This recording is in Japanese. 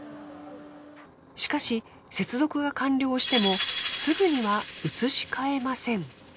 しかし接続が完了してもすぐには移し替えません。